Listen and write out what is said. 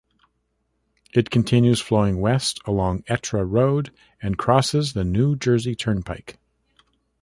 It continues flowing west alongside Etra Road and crosses the New Jersey Turnpike.